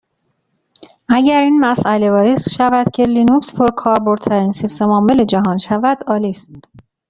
اگر این مساله باعث شود که لینوکس پرکاربردترین سیستم عامل جهان شود، عالی است.